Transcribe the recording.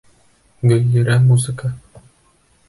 Гөллирә, музыка!